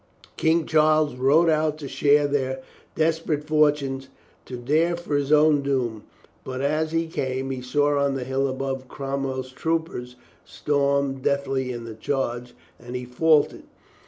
King Charles rode out to share their des perate fortune, to dare for his own doom. But as he came, he saw on the hill above Cromwell's troop ers storm deathly In the charge, and he faltered.